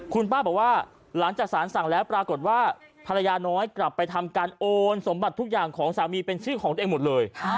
คุณป้าบอกว่าหลังจากสารสั่งแล้วปรากฏว่าภรรยาน้อยกลับไปทำการโอนสมบัติทุกอย่างของสามีเป็นชื่อของตัวเองหมดเลย